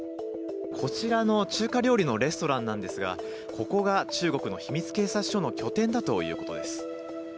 こちらの中華料理のレストランなんですがここが中国の秘密警察署の拠点だということです。